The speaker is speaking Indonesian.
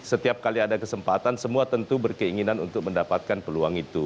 setiap kali ada kesempatan semua tentu berkeinginan untuk mendapatkan peluang itu